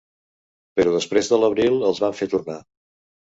Però després de l’abril els van fer tornar.